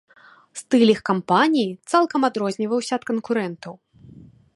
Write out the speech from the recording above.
Стыль іх кампаніі цалкам адрозніваўся ад канкурэнтаў.